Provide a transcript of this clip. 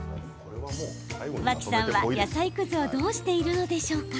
脇さんは、野菜くずをどうしているのでしょうか。